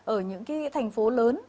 ở những cái thành phố lớn